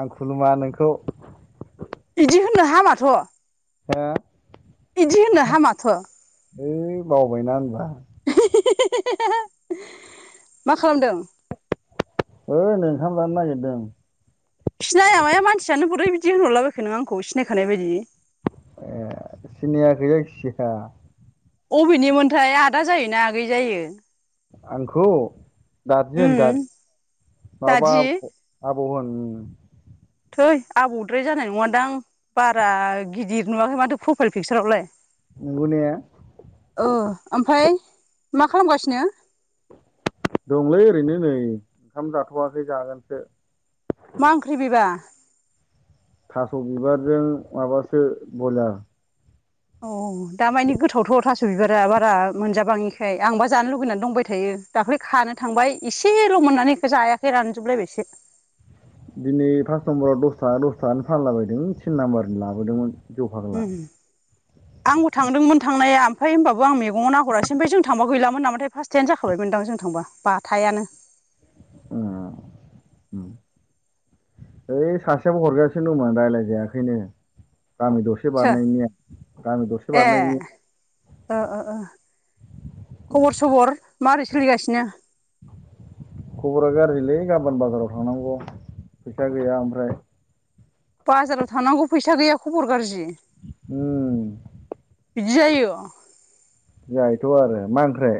आं खुलुमा नोंखौ बिदि होननो हामाथ' हा इदि होननो हामाथ' है बावबायना होनबा [unintelligible] मा खालामदों? ओइ नै ओंखाम जानो नागिरदों सिनाया माया मानसियानो बोरै बिदि होनहरलाबायखो नोंङो आंखौ सिनायखानाय बायदि ए सिनिया गै जायखि सिखा अबेनिमोनथाय आदा जायोना आगै जायो आंखौ दादि उम होन दादि दादि मावाबा बौहोन थै आबौद्राय जानाय नङादां बारा गिदिर नुवाखै माथो प्रफाइल पिकसारावलाय नंगौ ने ओ ओमफ्राय मा खालामगासिनो? दंलै ओरैनो नै ओंखाम जाथ'वाखै जागोनसो मा ओंख्रि बिबा थास' बिबारजों माबासो बयलार अ दा मायनि गोथावथ' थास' बिबारा बारा मोनजाबाङिखाय आंबा जानो लुुबैनानै दंबाय थायो दाख्लै खानो थांबाय एसेल' मोननानै जायाखै रानजोबलायबायसो दिनै फास नाम्बाराव दस थाखा दस थाखानि फानलाबायदों थिन नाम्बारनो लाबोदोंमोन जौ फाग्ला उम आंबो थांदोंमोन थांनाया ओमफ्राय होनबाबो आं मैगाव नना हरासै ओमफ्राय जों थांब गयलामोन नामाथाय फार्ट टाइ जाबायमोनदां जों थांब बाथायानो उम उम ओइ सासेयाबो हरगासिनो दंमोन राय्लायजायाखैनो गामि दरसे सोर बारनायनिया गामि दरसे ए बारनायनि ओ ओ ओ खबर सबर माबोरै सोलिगासिनो खबरा गाज्रिलै गाबोन बाजाराव थांनांगौ फैसा गैया ओमफ्राय बाजाराव थांनांगौ फैसा गैया खबर गाज्रि उम बिदि जायो जाहथ' आरो मा ओंख्राय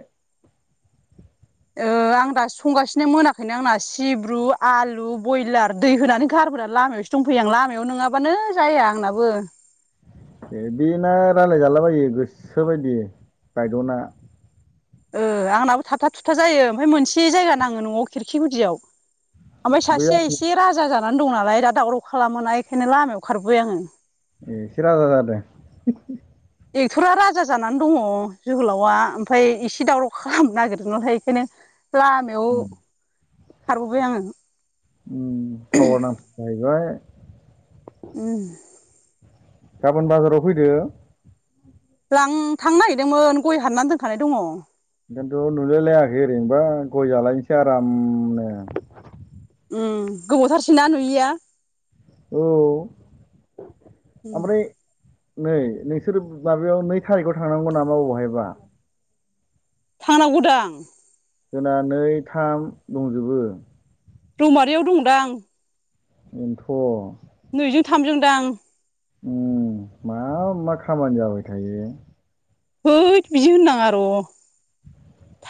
ओ आं दा संगासिनो मोनाखैनो आंना सिब्रु आलु बयलार दै होनानै गाब सफोरा लामायावसो दंफैयो आं लामायाव नोङाबानो जाया आंनाबो। बिदिना रायलायजालाबायो गोसो बायदि गायद'ना। ओ आंनाबो थाबथा थुथा जायो ओमफ्राय मोनसे जायगा नाङो न'आव खिरखि गुदियाव। ओमफ्राय बै सासेया आंनि एसे राजा जानानै दं नालाय दा दावराव खालामोना बेखायनो लामायाव खारबोबाय आङो। ए एसे राजा जादों। एक्ट'रा राजा जानानै दङ जोहोलावा ओमफाय एसे दावराव खालामनो नागिरदों नहाय एखायनो लामायाव उम खारबोबाय आङो उम टावार नाम जाहैबाय। उम। गाबोन बाजाराव फैदो। लां थांनो नागिरदोंमोन गय हाननानै दोनखानाय दङ। बेखायन्थ' नुलायलायाखै ओरैनोबा गय जालायनोसै आरामनो। उम गोबावथारसै नना नुयैया? औ उम ओमफ्राय नै नोंसोरो माबायाव नै थारिखआव थांनांगौ नामा अबाहायबा? थांनांगौदांं। जोंना नै थाम दंजोबो। रौमारियाव दंदां। बेनोथ'। नैजों थामजों दां। उ मा मा खामानि जाबाय थायो। हैद बिदि होननाङा र'।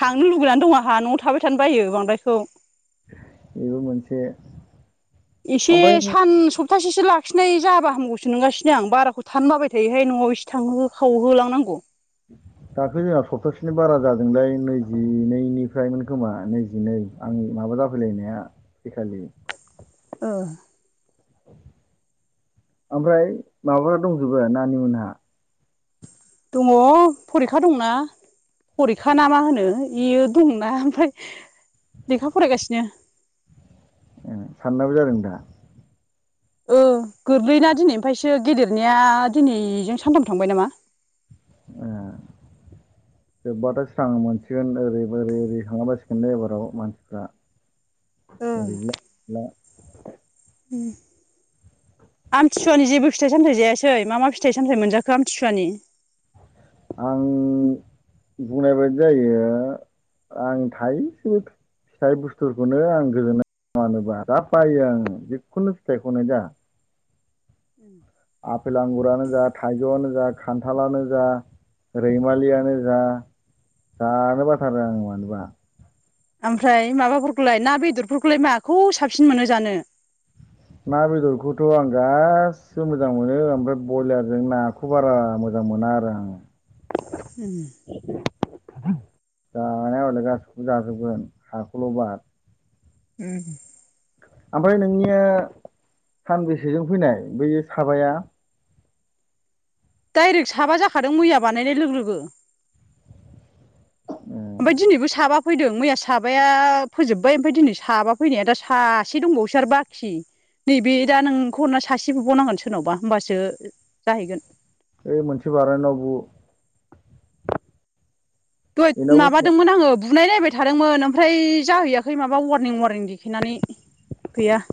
थांनो लुगैनानै दं आंहा न'आव थाबाय थानो बायो बांद्रायखौ। बेबो मोनसे। एसे ओमफ्राय सान सप तासेसो लाखिनाय जाबा हामगौसो नंगासिनो आं बाराखौ थानो बाबाय थायोहाय न'आव एसे थांहो खावहोलांनांगौ। दाख्लै जोंहा सप्तासेनि बारा जादोंलाय नैजिनैनिफ्रायमोन खोमा नैजिनै आंनि माबा जाफैलायनाया फैखालि। ओ। ओमफ्राय माबाफ्रा दंजोबो नानि मोनहा? दङ फरिखा दंना। फरिखा ना मा होनो बेयो दंना ओमफाय लेखा फरायगासिनो। ए सानैनाबो जादों दा? ओ गोरलैना दिनैनिफ्रायसो गेदेरनिया दिनैजों सानथाम थांबाय नामा। ए, जोब्बाथाय स्रां मोनसिगोन ओरै ओरै ओरै थांला बासिगोन दे एबाराव मानसिफ्रा। [inaudible] उम। आमथिसुवानि जेबो फिथाइ सामथाय जायासै मा मा फिथाइ सामथाय मोनजाखो आमथिसुवानि? आं बुंनाय बायदि जायो आं थायसेबो फिथाइ बुस्थुफोरखौनो आं गोजोननाय मानोबा जा बायो आंङो जिखुनु फिथाइखौनो जा। आफेल आंगुरानो जा थाइजौआनो जा खान्थालानो जा। रैमालियानो जा जानो बाथारो आं मानोबा ओमफ्राय माबाफोरखौलाय ना बेदरफोरखौलाय माखौ साबसिन मोनो जानो? ना बेदरखौथ' आं गासिबो मोजां मोनो ओमफ्राय बयलारजों नाखौ बारा मोजां मोजां मोना आरो आं। जानाया हले गासिबखौबो जाजोबगोन हाखौल' बार उम ओमफ्राय नोंनिया सानबेसेजों फैनाय बै साबाया डायरेक्ट साबा जाखादों मैया बानायनाय लोगो लोगो ओमफाय दिनैबो साबा फैदों मैया साबाया फोजोब्बाय ओमफाय दिनै साबा फैनाया दा सासे दं दंबावोसो आरो बाखि नैबे दा नोंखौहरना सासे बुबावनांगोन सोरनावबा होमबासो जाहैगोन ओ मोनसे बारनायनाव बु दहाय बेनावबो माबादोंमोन आङो बुनाय नायबाय थादोंमोन ओमफ्राय जाहैयाखै माबा वारनिं वारनिं देखायनानै गैया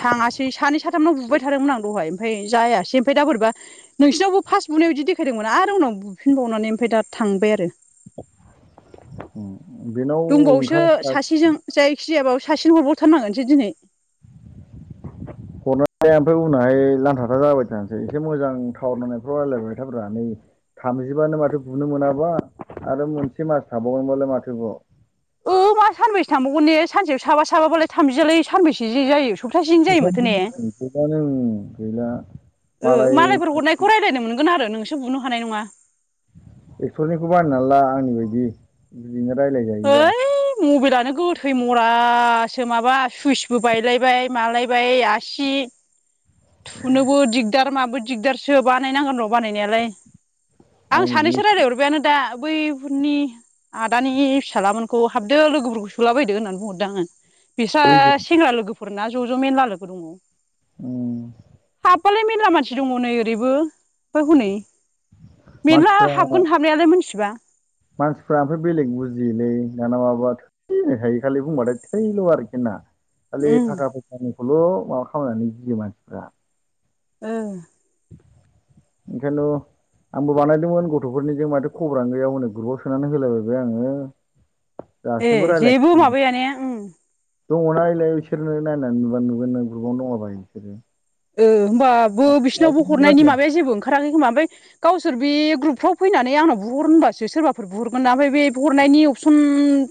थाङासै सानै साथामनाव बुबाय थादोंमोन आं दहाय ओमफाय जायासै ओमफाय दा बोरैबा नोंसिनावबो फार्स्ट बुनायाव बिदि देखायदोंमोन आरो उनाव बुफिनबावनानै ओमफाय दा थांबाय आरो उम बेनाव दंबावोसो ओंखारा सासेजों जायखि जायाबाबो सासेनो हरबावथारनांगोनसो दिनै हरनानै ओमफ्राय उनावहाय लानथाथा जाबाय थानोसै एसे मोजां थावारनांनायफ्राव रायज्लायबाय थाब्रा नै थामजिबानो माथो बुनो मोनाबा आरो मोनसे मास थाबावगोनबालाय माथोबाव औ मा सानबेसे थांबावगोन ने सानसेयाव साबा साबाबालाय थामजियालाय सानबेसेजों जायो सप्तासेजों जायो बेखायनथ माथो ने बुंदों गैलानो गैला ओ मालाय मालायफोर हरनायखौ रायलायनो मोनगोन आरो नोंसो बुनो हानाय नङा एक्टरनिखौ बानायनानै ला आंनि बायदि बिदिनो रायलाय जायोबा ओइ मबाइलानो गोथै म फासो माबा सुइसबो बायलायबाय मालायबाय आसि थुनोबो दिगदार माबो दिगदारसो बानायनांगोन र' बानायनायालाय आं आंनि सानैसो रायलायहरबायानो दा बैफोरनि आदानि फिसालामोनखौ हाबदो लोगोफोरखौ सोला बायदो होननानै बुंहरदों आङो बिस्रा बैजों सेंग्रा लोगोफोरना ज' ज' मेनला लोगो दङ उम खालाय मेरला मानसि दङ नै ओरैबो हनै मेरला मानसिफ्रा हाबगोन हाबनायालाय मिथिबा मानसिफ्रा ओमफ्राय बेलेग बुजियोलै दाना माबा थैखाय खालि बुंबाथाय थैल' आरोखि ना खालि उम थाखा फैसानिखौल' माबा खालामनानै गियो मानसिफ्रा ओ ओंखायनोथ' आंबो बानायदोंमोन गथ'फोरनिजों माथो खबरानो गैया हनै ग्रुपआव सोनानै होलायबायबाय आङो ए दासिमबो जेबो रायलायाखै माबाया ने उम माथो दङना यैलाय बिसोरनो नायनानै नुबा नुगोन नों ग्रुपबावनो दङ बाह बिसोरो ओ होनोमबाबो बिसिनावबो रावबो हरनायनि रायलाया माबाया जेबो ओंखाराखै खोमा ओमफ्राय गावसोर बे ग्रुपफ्राव फैनानै आं बुहर होनबासो सोरबाफोर बुहरगोना ओमफ्राय बे हरनायनि अपसन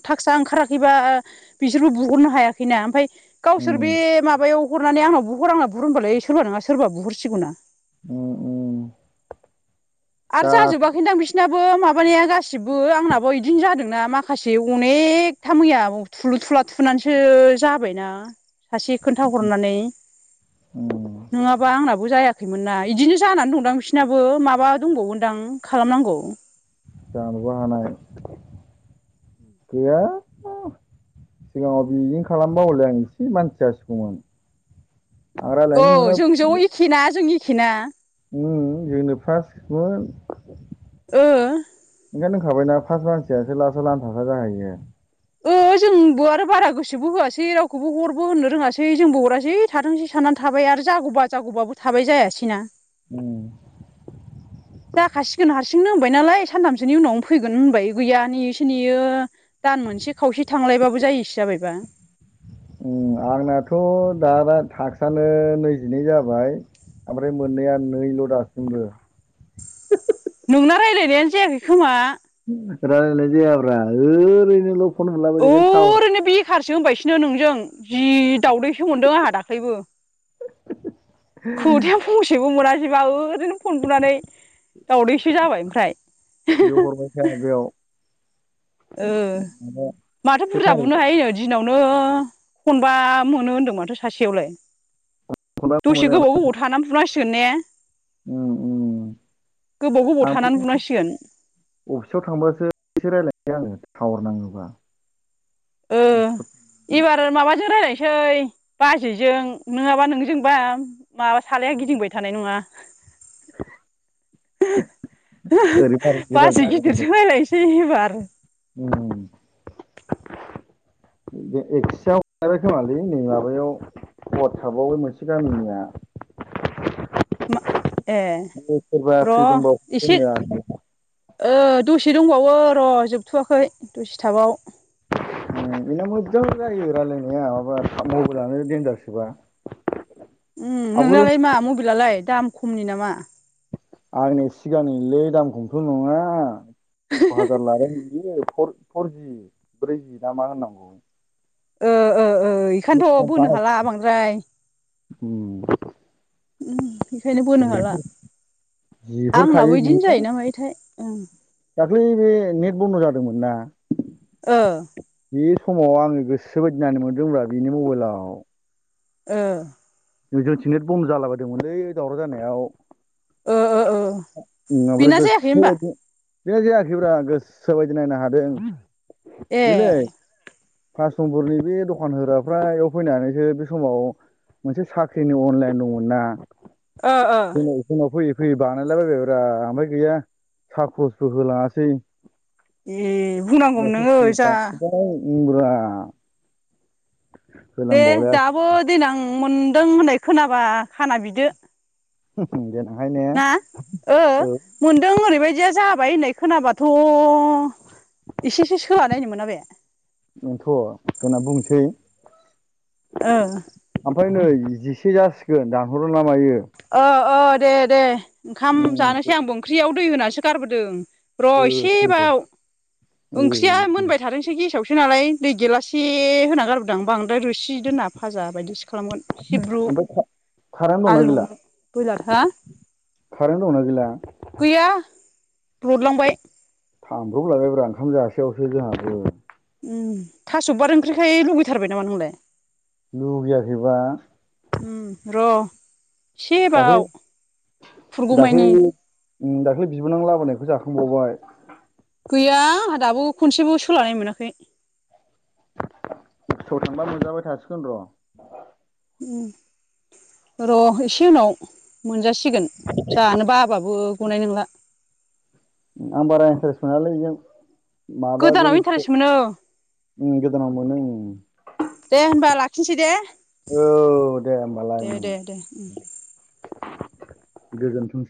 थाखसा ओंखाराखै फैबा बिसोरखौ बुहरनो हायाखैना ओमफाय गावसोर बे उम माबायाव हरनानै आंनाव बुहर आंनाव बुहर होनबालाय सोरबा नङा सोरबा बुहरसिगौ ना उम उम आरो दा जाजोबाखैदां बिसोना बो माबानाया गासिबो आंनाबो बिदिनो जादोंना माखासे अनेकथा मैया थुलुथु थुला थुनानैसो जाबायना सासे खोन्थाहरनानै उम नङाबा आंनाबो जाया खैमोनना इदिनो जानानै दंदां बिसिनाबो माबा दंबावगोनदां खालामनांगौ जानोबो हानाय गैया सिगाङाव बिदिनो खालामबा हले आं एसे मानसि जासिगौमोन आं औ रायलायनो जों ज' मोना एखेना जों एखेना। उम जोंनो फासमोन ओ ओंखायनो दोंखाबायना फास मानसियासो लासाव लानथाथा जाहैयो। ओ जोंबो आरो बारा गोसोबो होआसै रावखौबो हरबो होननो रोङासै जोंबो हरासै थाथोंसै साना थाबाय आरो जागौबा जागौबाबोथाबाय जायासैना। उम जाखासिगोन हारसिंनो होनबाय नालाय सानथामसोनि उनावनो फैगोन होनबाय गैया नेयो सो नेयो दान मोनसे खावसे थांलायबाबो जायिसो जाबायबा। उम आंनाथ' दाबा थाखक्सानो नैजिनै जाबाय ओमफ्राय मोननैया नैल' दासिमबो। [unintelligible] नोंना रायलायनायानो जायाखै खोमा। रायलायनाय जायाब्रा ओरैनोल' फन हरलाबायदिखायनो टाउन होसोबायसनो नोंजों जि दाउदैसो मोनदों आंहा दाख्लैबो। खोथाया फंसेबो मोनासैबा ओरैनो फनबुनानै दावउदैसो जाबाय बेयाव हरबाय थाया ओमफ्राय। बेयाव ओ‌ माबा माथो से बुरजा बुनो थारिखआव हायोनो दिनाव नो खनबा मोनो होन्दों माथो सासेयावलाय। खनबा दसे गोबाव गोबाव थानानै बुनांसिगोन ने। औ औ गोबाव गोबाव आंबो थानानै बुनांसिगोन अफिसाव थांबासो एसे रायलाय आङो टावार नाङोबा। ओ एबारो माबाजो रायलाय सै बाजैजों नङाबा नोंजोंबा माबा सालाया गिदिंबाय थानाय नङा ओरै बार ओरै बार बाजै जागोन गिदिरजों रायलायनोसै एबार [inaudible] नै माबायाव वाटसेपआव बे मोनसे गामिनिया मा ए सोरबा र' फ्रि दंबा इसि जोंनो दसे दंबावो र' जोबथ'वाखै दसे थाबाव। बेना मोजां जायो रायलायनाया माबा मबाइलानो देनदारसोबा नोंनालाय मा मबाइलालाय दाम खमनि नामा आंनिया सिगांनिलै दामखौथ' नङा अथ्र हाजार लादोंमोन बियो फरजि ब्रैजि ना मा होननांगौ बेखायनोथ' बोनो हाला बांद्राय ओम ओम बेखायनो बोनो हाला जिफोर आंनाबो खायो बिदिनो बि जायोना मायोथाय ओं दाखलि बे नेट बन्द' जादोंमोन ना ओ बे समाव आङो गोसो बायदि नायनो मोनदोंमोन बिनि मबाइलाव ओ जोंनिथिं नेत बन्द' जाला बायदोंमोनलै दावराव जानायाव ओ ओ ओ ओमफ्राय बेना जायाखै गोसो होमबा बादि बे जायाखैब्रा गोसो बायदि नायनो हादों ए बेलै पास नम्बरनि बे दखान होग्राफोरा बेयाव फैनानैसो बे समाव मोनसे साख्रिनि अनलाइन दंमोन ना ओ ओ [unintelligible] फैयै फैयै बानायलाबायबायब्रा ओमफ्राय गैया साहा खरसबो होलाङासै ए बुंनांगौमोन नोङो जा [unintelligible] [unintelligible] दे होलांबावलाय दाबो देनां मोनदों होननाय खोनाबा खाना बिदो। [inaudible] ना ओ औ मोनदों ओरैबायदिया- जाबाय होननाय खोनाबाथ' एसेसो सोला नायनो मोना बे बेथ' होनना बुंनोसै ओ ओमफ्राय नै [inaudible] जासिगोन दानहरो ना मायो अ दे दे ओंखाम जानोसै उम आंबो ओंख्रियाव दै होनानैसो गारबोदों। र' ओ दे दे एसेबाव ओ ओंख्रिया मोनबाय थादोंसै गेसावसो नालाय दै गेरलासे होना गारबोदों आं ओमफ्राय रोसि दोना भाजा बायदिसो खालामगोन सिब्रु ओमफ्राय कारेन्ट दंना आलु गैला ब्रयलार हा कारेन्ट दंना गैला। गैया लुरलांबाय। थांब्रबलायबायब्रा ओंखाम जासैआवसो जोंहा थास' बिबार ओंख्रिखाय लुगैथारबाय नामा नोंलाय लुबैयाखैबा उम र' एसेबाव दाखलि दाख्लै खुरगौमानि दाख्लै बिबोनां लाबोनायखौ जाखांबावबाय गैया आंहा दाबो खनसेबो सोलानायनो मोनाखै। [inaudible] मोनजाबाय थासिगोन र' र' एसे उनाव मोनजासिगोन सिगोन जानो बाबाबो गनाय नंला आं बारा इन्टारेस्ट मोनालै बेजों माबाजों गोदानाव सो इन्टारेस्ट मोनो ओ गोदानाव [unintelligible] दे होनबा लाखिनोसै दे औ दे दे दे दे उम गोजोन्थोंसै